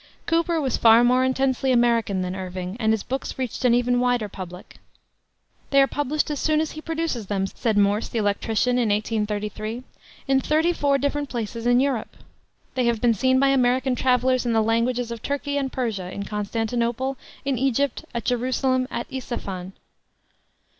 Cooper was far more intensely American than Irving, and his books reached an even wider public. "They are published as soon as he produces them," said Morse, the electrician, in 1833, "in thirty four different places in Europe. They have been seen by American travelers in the languages of Turkey and Persia, in Constantinople, in Egypt, at Jerusalem, at Ispahan."